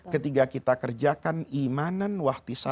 ketika kita kerjakan imanan wahtisa